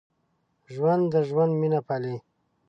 ژوندي د ژوند مینه پالي